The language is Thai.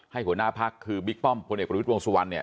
ให้หัวหน้าภักษ์คือบิ๊กป้อมคุณเอกบริวิตวงศ์สุวรรณเนี่ย